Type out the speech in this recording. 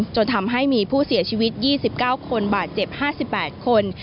จนทำให้มีผู้เสียชีวิต๒๙คนบาดเจ็บ๕๘คน